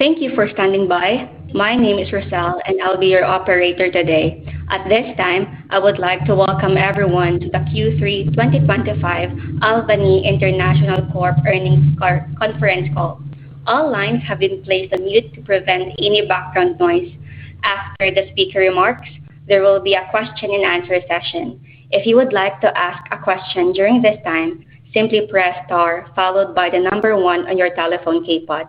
Thank you for standing by. My name is Rochelle, and I'll be your operator today. At this time, I would like to welcome everyone to the Q3 2025 Albany International Corp. Earnings Conference call. All lines have been placed on mute to prevent any background noise. After the speaker remarks, there will be a question-and-answer session. If you would like to ask a question during this time, simply press star followed by the number one on your telephone keypad.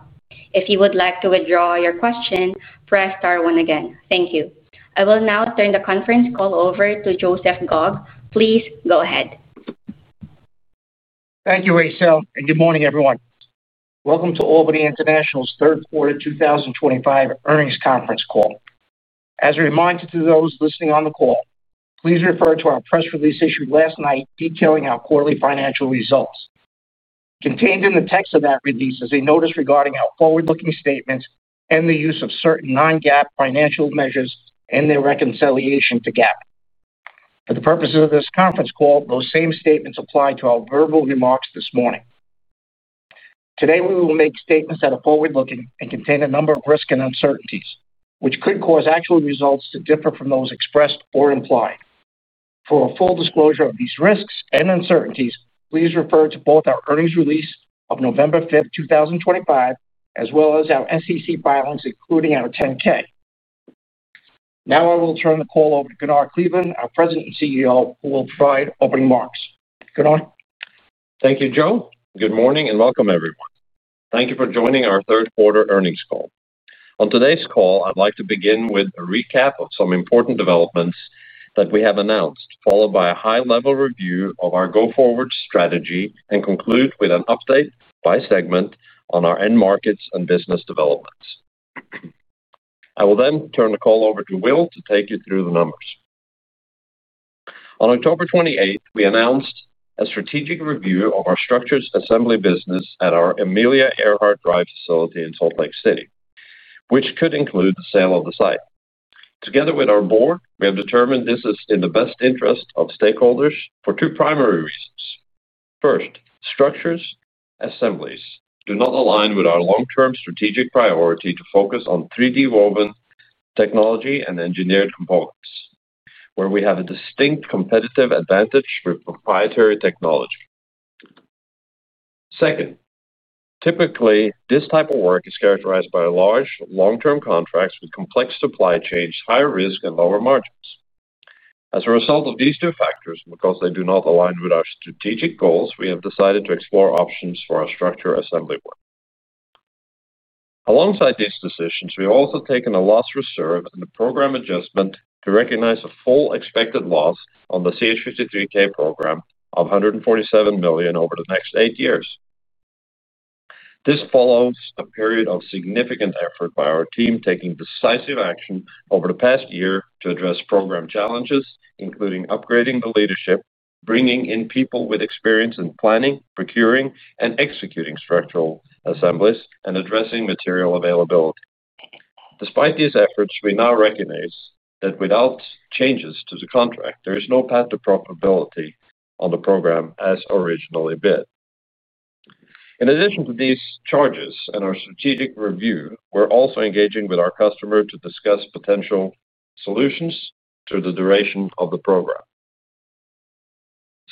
If you would like to withdraw your question, press star once again. Thank you. I will now turn the conference call over to Joseph Gobb. Please go ahead. Thank you, Rochelle, and good morning, everyone. Welcome to Albany International's third quarter 2025 earnings conference call. As a reminder to those listening on the call, please refer to our press release issued last night detailing our quarterly financial results. Contained in the text of that release is a notice regarding our forward-looking statements and the use of certain non-GAAP financial measures and their reconciliation to GAAP. For the purposes of this conference call, those same statements apply to our verbal remarks this morning. Today, we will make statements that are forward-looking and contain a number of risks and uncertainties, which could cause actual results to differ from those expressed or implied. For a full disclosure of these risks and uncertainties, please refer to both our earnings release of November 5, 2025, as well as our SEC filings, including our 10-K. Now, I will turn the call over to Gunnar Kleveland, our President and CEO, who will provide opening remarks. Gunnar? Thank you, Joe. Good morning and welcome, everyone. Thank you for joining our third quarter earnings call. On today's call, I'd like to begin with a recap of some important developments that we have announced, followed by a high-level review of our go-forward strategy, and conclude with an update by segment on our end markets and business developments. I will then turn the call over to Will to take you through the numbers. On October 28, we announced a strategic review of our structures assembly business at our Amelia Earhart Drive facility in Salt Lake City, which could include the sale of the site. Together with our board, we have determined this is in the best interest of stakeholders for two primary reasons. First, structures assemblies do not align with our long-term strategic priority to focus on 3D woven technology and engineered components, where we have a distinct competitive advantage with proprietary technology. Second, typically, this type of work is characterized by large, long-term contracts with complex supply chains, higher risk, and lower margins. As a result of these two factors, because they do not align with our strategic goals, we have decided to explore options for our structure assembly work. Alongside these decisions, we have also taken a loss reserve and a program adjustment to recognize a full expected loss on the CH-53K program of $147 million over the next eight years. This follows a period of significant effort by our team taking decisive action over the past year to address program challenges, including upgrading the leadership, bringing in people with experience in planning, procuring, and executing structural assemblies, and addressing material availability. Despite these efforts, we now recognize that without changes to the contract, there is no path to profitability on the program as originally bid. In addition to these charges and our strategic review, we're also engaging with our customer to discuss potential solutions to the duration of the program.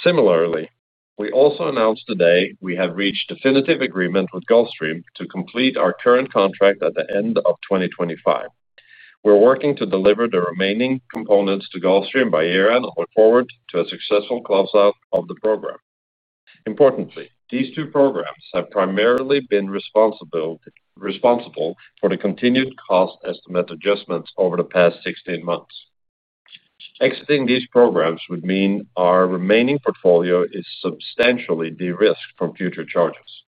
Similarly, we also announced today we have reached definitive agreement with Gulfstream to complete our current contract at the end of 2025. We're working to deliver the remaining components to Gulfstream by year-end and look forward to a successful closeout of the program. Importantly, these two programs have primarily been responsible. For the continued cost estimate adjustments over the past 16 months. Exiting these programs would mean our remaining portfolio is substantially de-risked from future charges.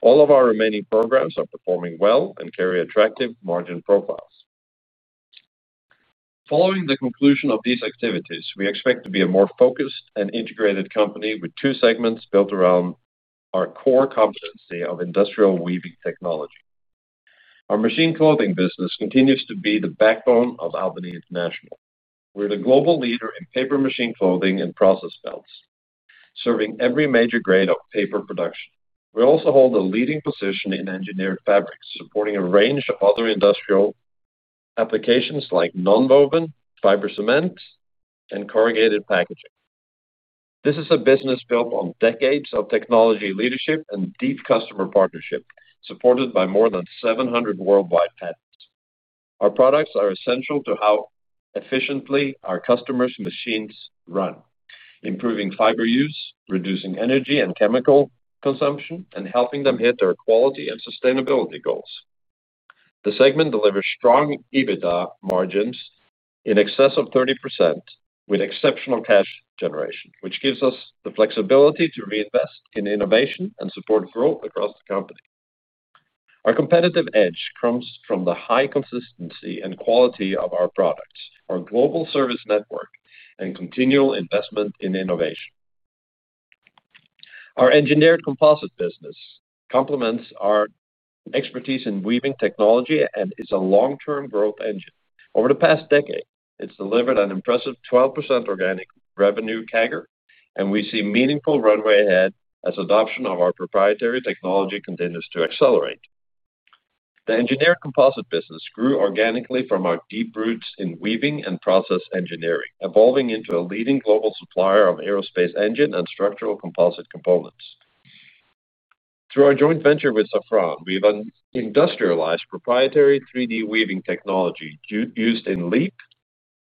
All of our remaining programs are performing well and carry attractive margin profiles. Following the conclusion of these activities, we expect to be a more focused and integrated company with two segments built around our core competency of industrial weaving technology. Our machine clothing business continues to be the backbone of Albany International. We're the global leader in paper machine clothing and process belts, serving every major grade of paper production. We also hold a leading position in engineered fabrics, supporting a range of other industrial applications like non-woven, fiber cement, and corrugated packaging. This is a business built on decades of technology leadership and deep customer partnership, supported by more than 700 worldwide patents. Our products are essential to how efficiently our customers' machines run, improving fiber use, reducing energy and chemical consumption, and helping them hit their quality and sustainability goals. The segment delivers strong EBITDA margins in excess of 30% with exceptional cash generation, which gives us the flexibility to reinvest in innovation and support growth across the company. Our competitive edge comes from the high consistency and quality of our products, our global service network, and continual investment in innovation. Our engineered composite business complements our expertise in weaving technology and is a long-term growth engine. Over the past decade, it's delivered an impressive 12% organic revenue CAGR, and we see meaningful runway ahead as adoption of our proprietary technology continues to accelerate. The engineered composite business grew organically from our deep roots in weaving and process engineering, evolving into a leading global supplier of aerospace engine and structural composite components. Through our joint venture with Safran, we've industrialized proprietary 3D weaving technology used in LEAP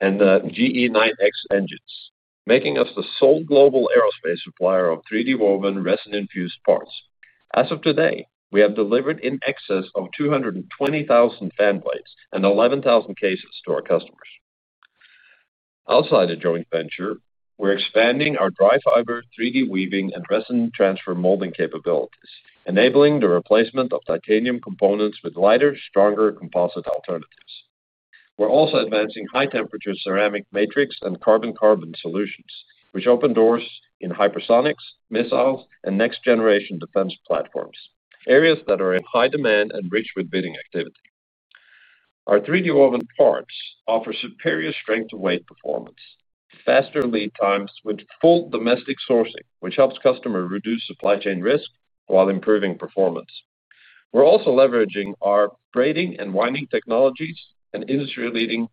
and the GE9X engines, making us the sole global aerospace supplier of 3D woven resin-infused parts. As of today, we have delivered in excess of 220,000 fan blades and 11,000 cases to our customers. Outside the joint venture, we're expanding our dry fiber 3D weaving and resin transfer molding capabilities, enabling the replacement of titanium components with lighter, stronger composite alternatives. We're also advancing high-temperature ceramic matrix and carbon-carbon solutions, which open doors in hypersonics, missiles, and next-generation defense platforms, areas that are in high demand and rich with bidding activity. Our 3D woven parts offer superior strength-to-weight performance, faster lead times with full domestic sourcing, which helps customers reduce supply chain risk while improving performance. We're also leveraging our braiding and winding technologies and industry-leading.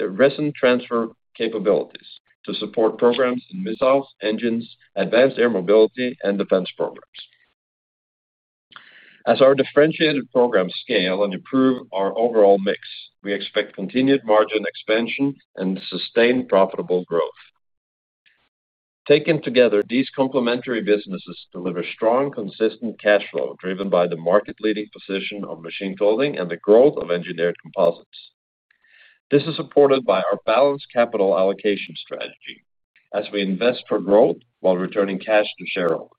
Resin transfer capabilities to support programs in missiles, engines, advanced air mobility, and defense programs. As our differentiated programs scale and improve our overall mix, we expect continued margin expansion and sustained profitable growth. Taken together, these complementary businesses deliver strong, consistent cash flow driven by the market-leading position of machine clothing and the growth of engineered composites. This is supported by our balanced capital allocation strategy, as we invest for growth while returning cash to shareholders.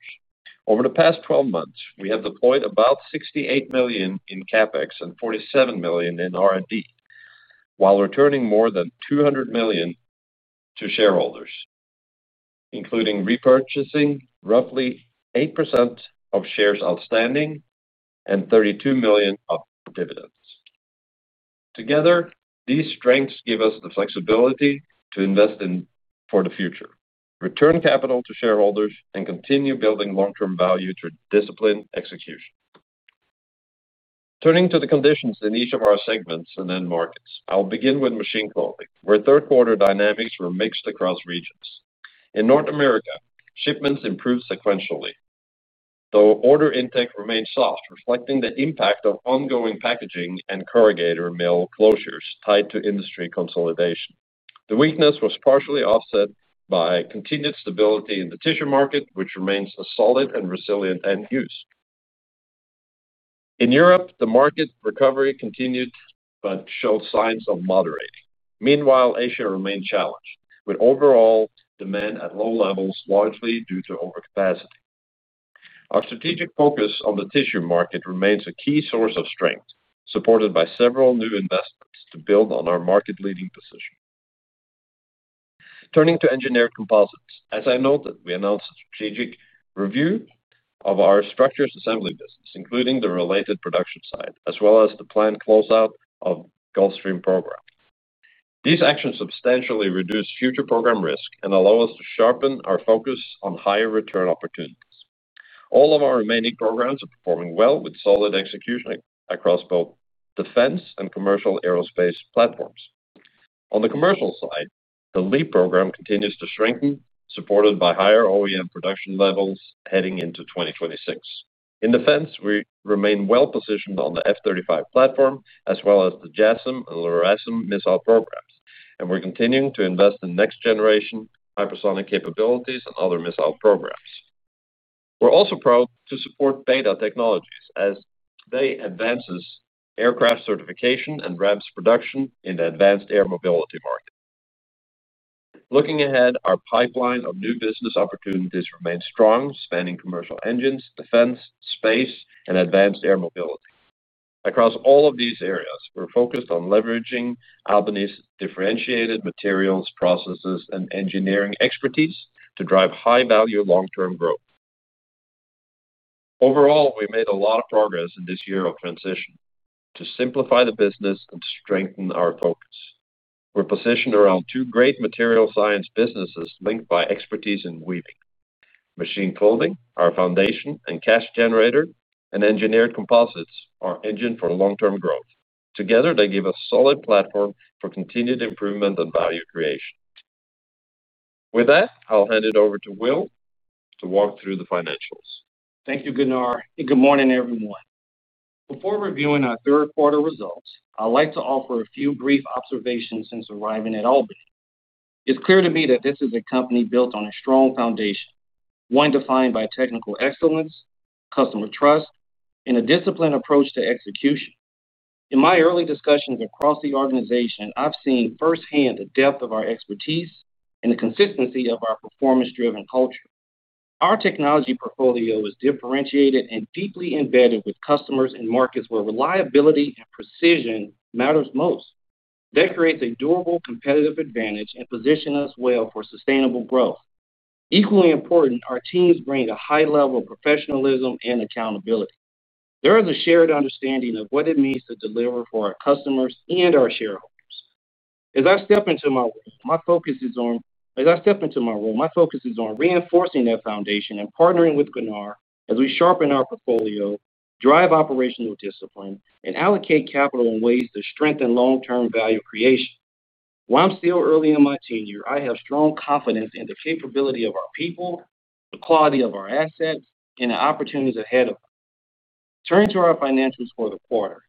Over the past 12 months, we have deployed about $68 million in CapEx and $47 million in R&D, while returning more than $200 million to shareholders, including repurchasing roughly 8% of shares outstanding and $32 million of dividends. Together, these strengths give us the flexibility to invest for the future, return capital to shareholders, and continue building long-term value through disciplined execution. Turning to the conditions in each of our segments and end markets, I'll begin with machine clothing, where third-quarter dynamics were mixed across regions. In North America, shipments improved sequentially, though order intake remained soft, reflecting the impact of ongoing packaging and corrugator mill closures tied to industry consolidation. The weakness was partially offset by continued stability in the tissue market, which remains a solid and resilient end use. In Europe, the market recovery continued but showed signs of moderating. Meanwhile, Asia remained challenged, with overall demand at low levels largely due to overcapacity. Our strategic focus on the tissue market remains a key source of strength, supported by several new investments to build on our market-leading position. Turning to engineered composites, as I noted, we announced a strategic review of our structures assembly business, including the related production site, as well as the planned closeout of the Gulfstream program. These actions substantially reduce future program risk and allow us to sharpen our focus on higher return opportunities. All of our remaining programs are performing well with solid execution across both defense and commercial aerospace platforms. On the commercial side, the LEAP program continues to strengthen, supported by higher OEM production levels heading into 2026. In defense, we remain well-positioned on the F-35 platform, as well as the JASSM and LRASM missile programs, and we're continuing to invest in next-generation hypersonic capabilities and other missile programs. We're also proud to support BETA Technologies, as they advance aircraft certification and RAMS production in the advanced air mobility market. Looking ahead, our pipeline of new business opportunities remains strong, spanning commercial engines, defense, space, and advanced air mobility. Across all of these areas, we're focused on leveraging Albany's differentiated materials, processes, and engineering expertise to drive high-value long-term growth. Overall, we made a lot of progress in this year of transition to simplify the business and to strengthen our focus. We're positioned around two great material science businesses linked by expertise in weaving. Machine clothing, our foundation and cash generator, and engineered composites are engines for long-term growth. Together, they give us a solid platform for continued improvement and value creation. With that, I'll hand it over to Will to walk through the financials. Thank you, Gunnar, and good morning, everyone. Before reviewing our third-quarter results, I'd like to offer a few brief observations since arriving at Albany. It's clear to me that this is a company built on a strong foundation, one defined by technical excellence, customer trust, and a disciplined approach to execution. In my early discussions across the organization, I've seen firsthand the depth of our expertise and the consistency of our performance-driven culture. Our technology portfolio is differentiated and deeply embedded with customers in markets where reliability and precision matters most. That creates a durable competitive advantage and positions us well for sustainable growth. Equally important, our teams bring a high level of professionalism and accountability. There is a shared understanding of what it means to deliver for our customers and our shareholders. As I step into my role, my focus is on reinforcing that foundation and partnering with Gunnar as we sharpen our portfolio, drive operational discipline, and allocate capital in ways to strengthen long-term value creation. While I'm still early in my tenure, I have strong confidence in the capability of our people, the quality of our assets, and the opportunities ahead of us. Turning to our financials for the quarter,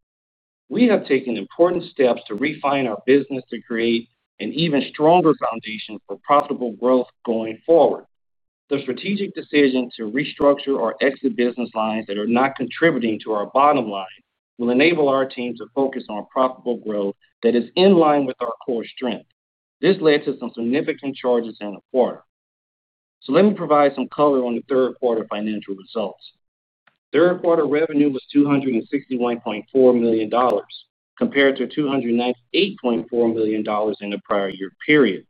we have taken important steps to refine our business to create an even stronger foundation for profitable growth going forward. The strategic decision to restructure or exit business lines that are not contributing to our bottom line will enable our team to focus on profitable growth that is in line with our core strength. This led to some significant charges in the quarter. Let me provide some color on the third-quarter financial results. Third-quarter revenue was $261.4 million. Compared to $298.4 million in the prior year period.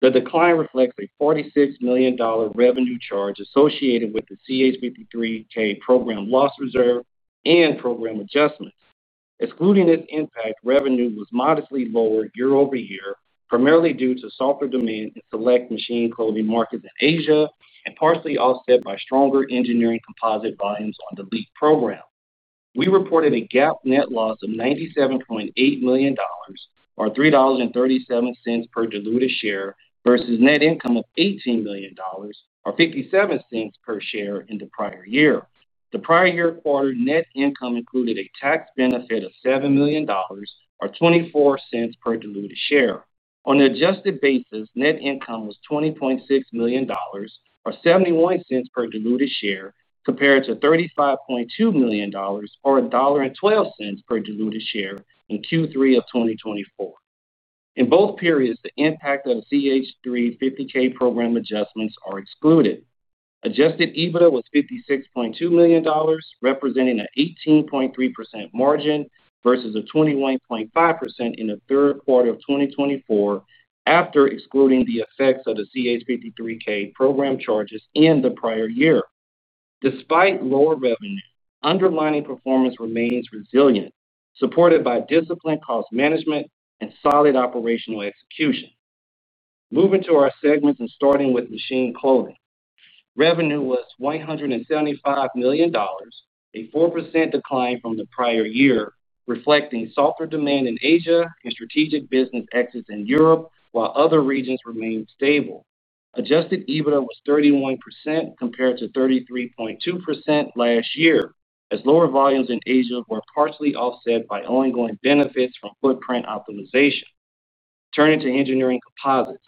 The decline reflects a $46 million revenue charge associated with the CH-53K program loss reserve and program adjustments. Excluding this impact, revenue was modestly lower year over year, primarily due to softer demand in select machine clothing markets in Asia and partially offset by stronger engineered composite volumes on the LEAP program. We reported a GAAP net loss of $97.8 million, or $3.37 per diluted share, versus net income of $18 million, or $0.57 per share in the prior year. The prior year quarter net income included a tax benefit of $7 million, or $0.24 per diluted share. On an adjusted basis, net income was $20.6 million, or $0.71 per diluted share, compared to $35.2 million, or $1.12 per diluted share in Q3 of 2024. In both periods, the impact of the CH-53K program adjustments is excluded. Adjusted EBITDA was $56.2 million, representing an 18.3% margin versus 21.5% in the third quarter of 2024, after excluding the effects of the CH-53K program charges in the prior year. Despite lower revenue, underlying performance remains resilient, supported by disciplined cost management and solid operational execution. Moving to our segments and starting with Machine Clothing. Revenue was $175 million, a 4% decline from the prior year, reflecting softer demand in Asia and strategic business exits in Europe, while other regions remained stable. Adjusted EBITDA was 31% compared to 33.2% last year, as lower volumes in Asia were partially offset by ongoing benefits from footprint optimization. Turning to Engineered Composites,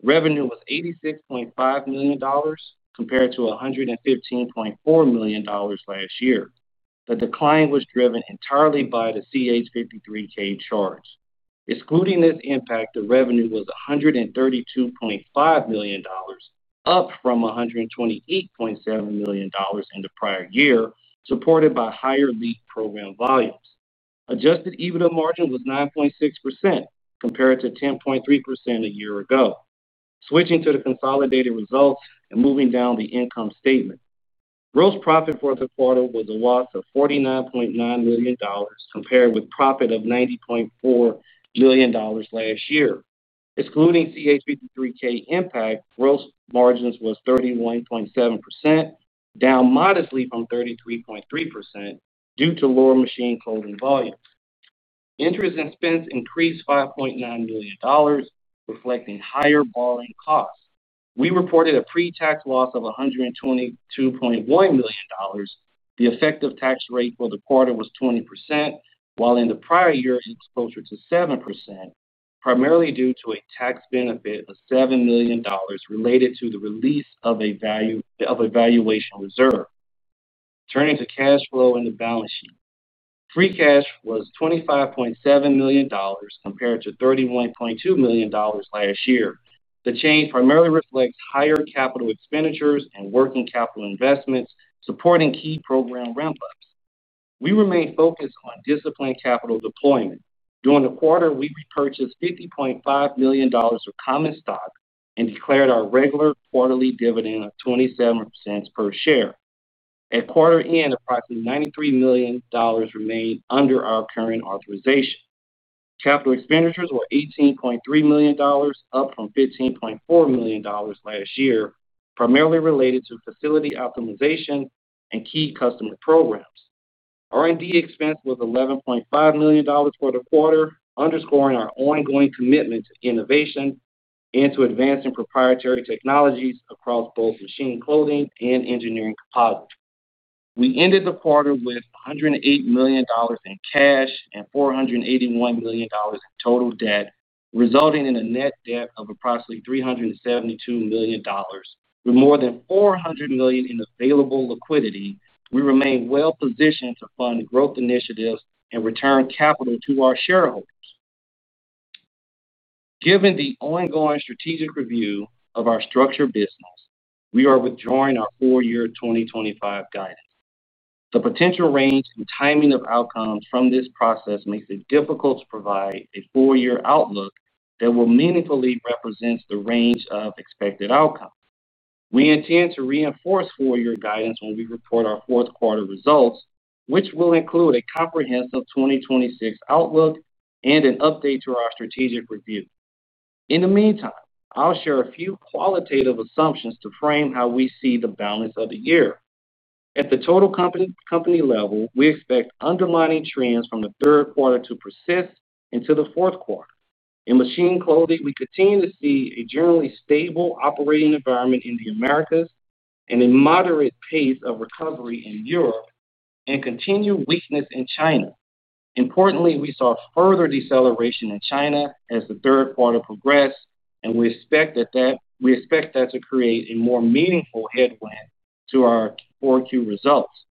revenue was $86.5 million, compared to $115.4 million last year. The decline was driven entirely by the CH-53K charge. Excluding this impact, the revenue was $132.5 million. Up from $128.7 million in the prior year, supported by higher LEAP program volumes. Adjusted EBITDA margin was 9.6% compared to 10.3% a year ago. Switching to the consolidated results and moving down the income statement. Gross profit for the quarter was a loss of $49.9 million, compared with profit of $90.4 million last year. Excluding CH-53K impact, gross margins were 31.7%, down modestly from 33.3% due to lower machine clothing volumes. Interest and expense increased $5.9 million, reflecting higher borrowing costs. We reported a pre-tax loss of $122.1 million. The effective tax rate for the quarter was 20%, while in the prior year, it closed to 7%, primarily due to a tax benefit of $7 million related to the release of a valuation reserve. Turning to cash flow in the balance sheet, free cash was $25.7 million compared to $31.2 million last year. The change primarily reflects higher capital expenditures and working capital investments, supporting key program ramp-ups. We remained focused on disciplined capital deployment. During the quarter, we repurchased $50.5 million of common stock and declared our regular quarterly dividend of $0.27 per share. At quarter end, approximately $93 million remained under our current authorization. Capital expenditures were $18.3 million, up from $15.4 million last year, primarily related to facility optimization and key customer programs. R&D expense was $11.5 million for the quarter, underscoring our ongoing commitment to innovation and to advancing proprietary technologies across both machine clothing and engineered composites. We ended the quarter with $108 million in cash and $481 million in total debt, resulting in a net debt of approximately $372 million. With more than $400 million in available liquidity, we remain well-positioned to fund growth initiatives and return capital to our shareholders. Given the ongoing strategic review of our structure business, we are withdrawing our four-year 2025 guidance. The potential range and timing of outcomes from this process makes it difficult to provide a four-year outlook that will meaningfully represent the range of expected outcomes. We intend to reinforce four-year guidance when we report our fourth-quarter results, which will include a comprehensive 2026 outlook and an update to our strategic review. In the meantime, I'll share a few qualitative assumptions to frame how we see the balance of the year. At the total company level, we expect underlying trends from the third quarter to persist into the fourth quarter. In machine clothing, we continue to see a generally stable operating environment in the Americas and a moderate pace of recovery in Europe and continued weakness in China. Importantly, we saw further deceleration in China as the third quarter progressed, and we expect that to create a more meaningful headwind to our full-year results.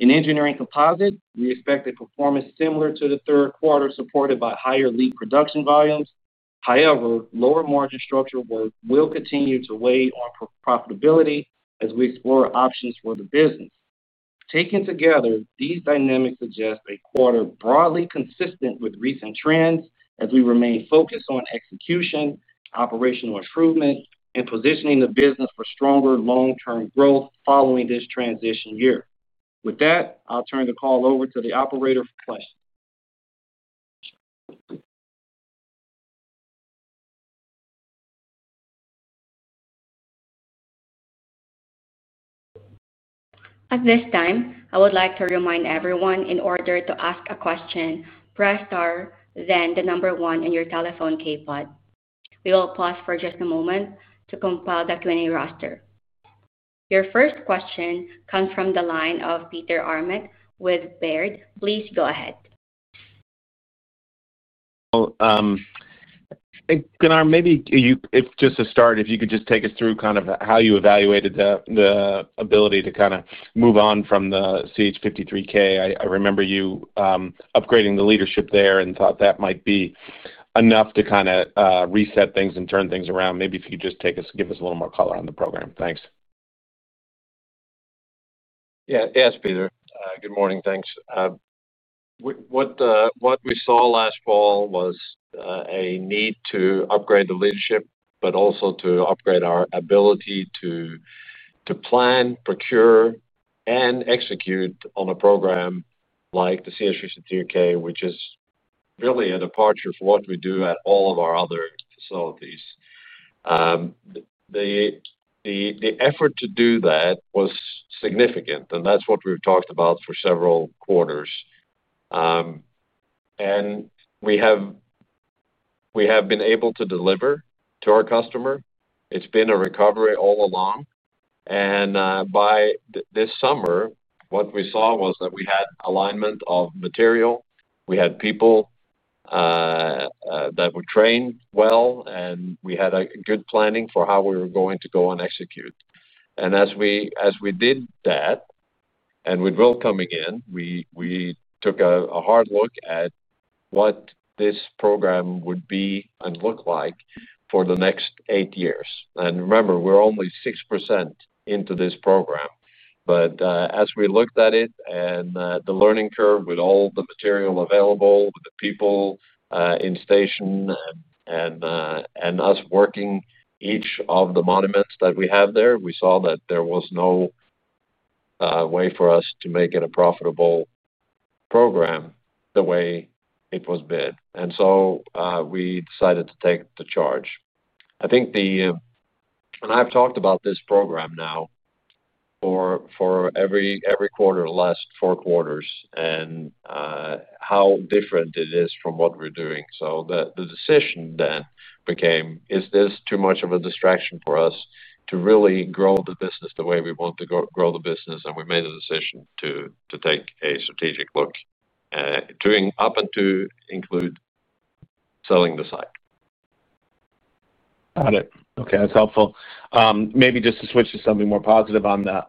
In engineered composites, we expect a performance similar to the third quarter, supported by higher LEAP production volumes. However, lower margin structure work will continue to weigh on profitability as we explore options for the business. Taken together, these dynamics suggest a quarter broadly consistent with recent trends as we remain focused on execution, operational improvement, and positioning the business for stronger long-term growth following this transition year. With that, I'll turn the call over to the operator for questions. At this time, I would like to remind everyone in order to ask a question, press star then the number one on your telephone keypad. We will pause for just a moment to compile the Q&A roster. Your first question comes from the line of Peter Arment with Baird. Please go ahead. Gunnar, maybe just to start, if you could just take us through kind of how you evaluated the ability to kind of move on from the CH-53K. I remember you upgrading the leadership there and thought that might be enough to kind of reset things and turn things around. Maybe if you could just give us a little more color on the program. Thanks. Yeah. Yes, Peter. Good morning. Thanks. What we saw last fall was a need to upgrade the leadership, but also to upgrade our ability to plan, procure, and execute on a program like the CH-53K, which is really a departure from what we do at all of our other facilities. The effort to do that was significant, and that's what we've talked about for several quarters. We have been able to deliver to our customer. It's been a recovery all along. By this summer, what we saw was that we had alignment of material, we had people that were trained well, and we had good planning for how we were going to go and execute. As we did that, and with Will coming in, we took a hard look at what this program would be and look like for the next eight years. Remember, we're only 6% into this program. As we looked at it and the learning curve with all the material available, with the people in station, and us working each of the monuments that we have there, we saw that there was no way for us to make it a profitable program the way it was bid. We decided to take the charge. I think I've talked about this program now for every quarter, the last four quarters, and how different it is from what we're doing. The decision then became, is this too much of a distraction for us to really grow the business the way we want to grow the business? We made a decision to take a strategic look, up until including selling the site. Got it. Okay. That's helpful. Maybe just to switch to something more positive on that,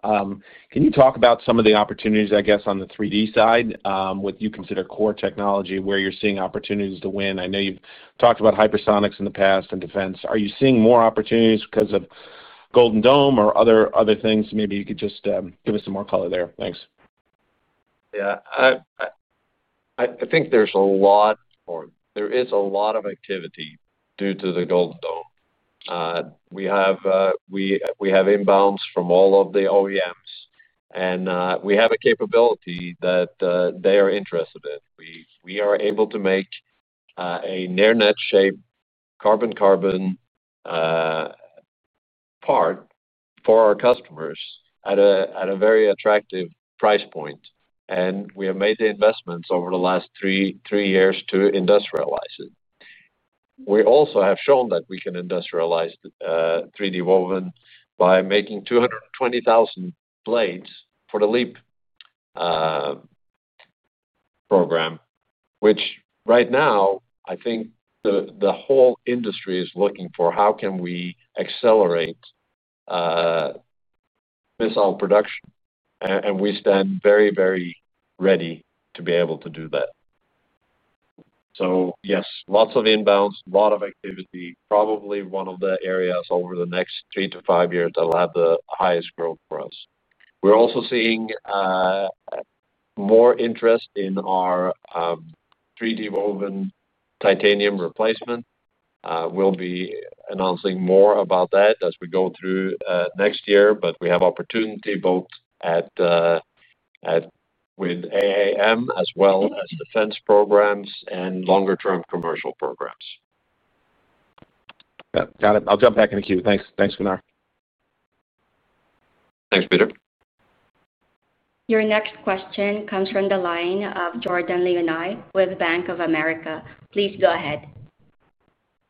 can you talk about some of the opportunities, I guess, on the 3D side with what you consider core technology, where you're seeing opportunities to win? I know you've talked about hypersonics in the past and defense. Are you seeing more opportunities because of Golden Dome or other things? Maybe you could just give us some more color there. Thanks. Yeah. I think there's a lot or there is a lot of activity due to the Golden Dome. We have inbounds from all of the OEMs, and we have a capability that they are interested in. We are able to make a near-net shape carbon-carbon part for our customers at a very attractive price point. And we have made the investments over the last three years to industrialize it. We also have shown that we can industrialize 3D woven by making 220,000 blades for the LEAP program, which right now, I think the whole industry is looking for how can we accelerate missile production. And we stand very, very ready to be able to do that. Yes, lots of inbounds, a lot of activity. Probably one of the areas over the next three to five years that will have the highest growth for us. We're also seeing. More interest in our 3D woven titanium replacement. We'll be announcing more about that as we go through next year, but we have opportunity both with AAM as well as defense programs and longer-term commercial programs. Got it. I'll jump back in the queue. Thanks, Gunnar. Thanks, Peter. Your next question comes from the line of Jordan Lyonnais with Bank of America. Please go ahead.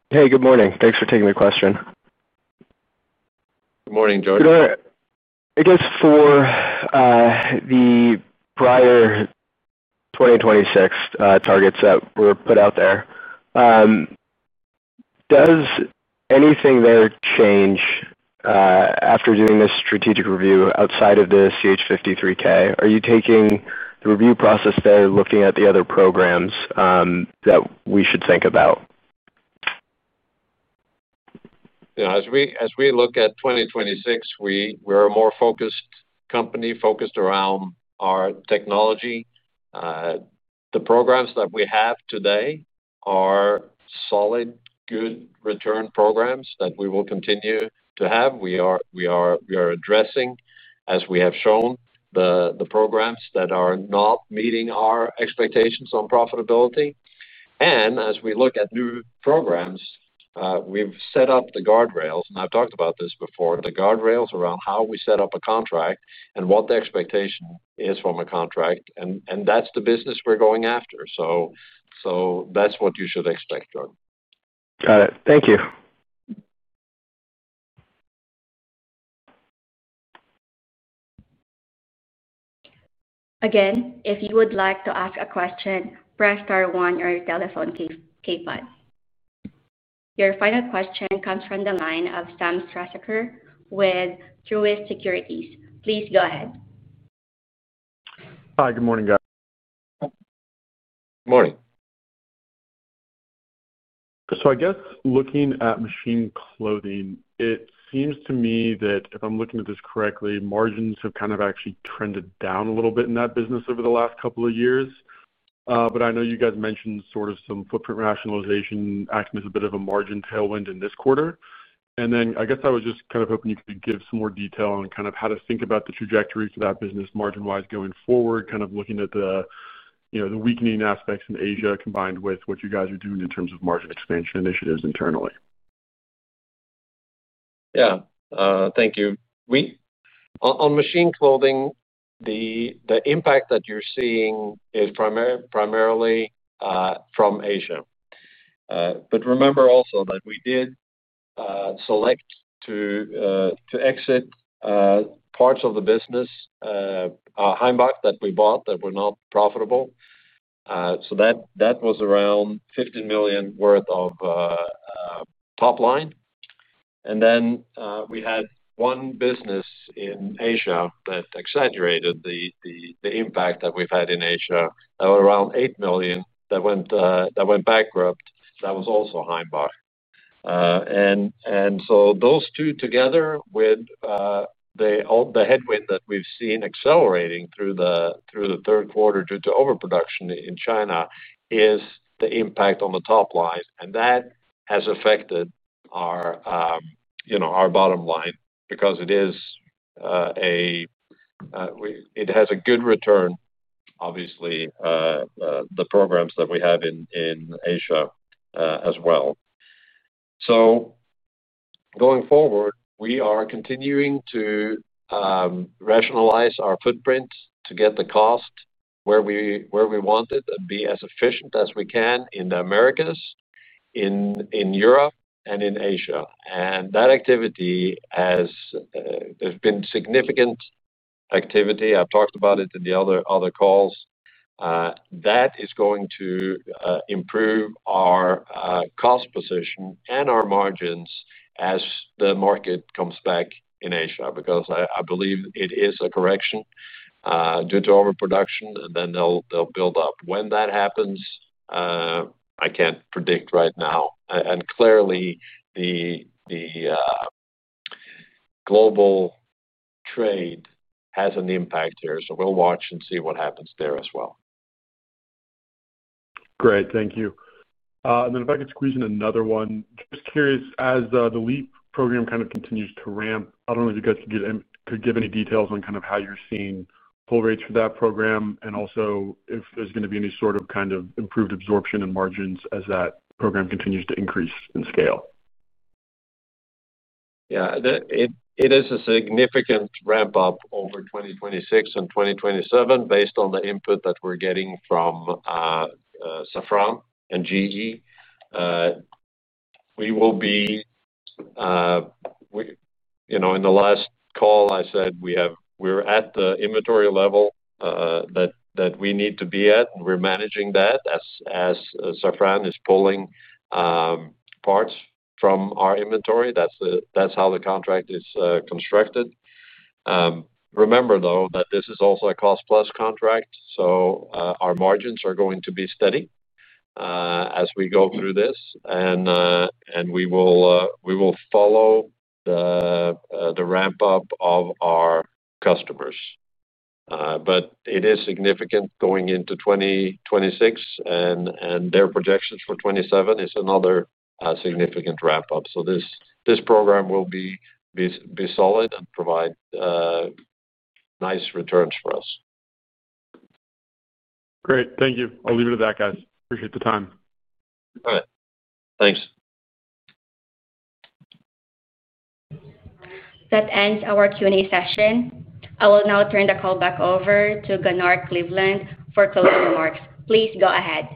Hey, good morning. Thanks for taking the question. Good morning, Jordan. Good morning. I guess for the prior 2026 targets that were put out there, does anything there change after doing this strategic review outside of the CH-53K? Are you taking the review process there, looking at the other programs that we should think about? As we look at 2026, we are a more focused company focused around our technology. The programs that we have today are solid, good return programs that we will continue to have. We are addressing, as we have shown, the programs that are not meeting our expectations on profitability. As we look at new programs, we've set up the guardrails. I've talked about this before, the guardrails around how we set up a contract and what the expectation is from a contract. That's the business we're going after. That's what you should expect, Jordan. Got it. Thank you. Again, if you would like to ask a question, press star one on your telephone keypad. Your final question comes from the line of Sam Struhsaker with Truist Securities. Please go ahead. Hi. Good morning, guys. Morning. I guess looking at machine clothing, it seems to me that, if I'm looking at this correctly, margins have kind of actually trended down a little bit in that business over the last couple of years. I know you guys mentioned sort of some footprint rationalization acting as a bit of a margin tailwind in this quarter. I guess I was just kind of hoping you could give some more detail on kind of how to think about the trajectory for that business margin-wise going forward, kind of looking at the weakening aspects in Asia combined with what you guys are doing in terms of margin expansion initiatives internally. Yeah. Thank you. On machine clothing, the impact that you're seeing is primarily from Asia. But remember also that we did select to exit parts of the business, our Heimbach that we bought that were not profitable. That was around $15 million worth of top line. Then we had one business in Asia that exaggerated the impact that we've had in Asia, around $8 million that went bankrupt. That was also Heimbach. Those two together with the headwind that we've seen accelerating through the third quarter due to overproduction in China is the impact on the top line. That has affected our bottom line because it is a, it has a good return, obviously, the programs that we have in Asia as well. Going forward, we are continuing to. Rationalize our footprint to get the cost where we want it and be as efficient as we can in the Americas, in Europe, and in Asia. That activity has been significant. I have talked about it in the other calls. That is going to improve our cost position and our margins as the market comes back in Asia because I believe it is a correction due to overproduction, and then they will build up. When that happens, I cannot predict right now. Clearly, global trade has an impact here. We will watch and see what happens there as well. Great. Thank you. If I could squeeze in another one, just curious, as the LEAP program kind of continues to ramp, I do not know if you guys could give any details on kind of how you are seeing full rates for that program and also if there is going to be any sort of kind of improved absorption in margins as that program continues to increase in scale. Yeah. It is a significant ramp-up over 2026 and 2027 based on the input that we're getting from Safran and GE. We will be. In the last call, I said we're at the inventory level that we need to be at. We're managing that as Safran is pulling parts from our inventory. That's how the contract is constructed. Remember, though, that this is also a cost-plus contract. So our margins are going to be steady. As we go through this. And we will. Follow. The ramp-up of our customers. It is significant going into 2026, and their projections for 2027 is another significant ramp-up. This program will be. Solid and provide. Nice returns for us. Great. Thank you. I'll leave it at that, guys. Appreciate the time. All right. Thanks. That ends our Q&A session. I will now turn the call back over to Gunnar Kleveland for closing remarks. Please go ahead.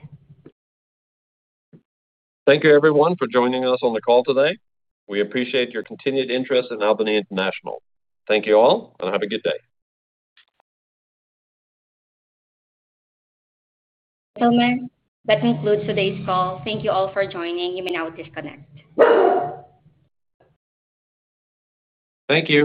Thank you, everyone, for joining us on the call today. We appreciate your continued interest in Albany International. Thank you all, and have a good day. Gentlemen, that concludes today's call. Thank you all for joining. You may now disconnect. Thank you.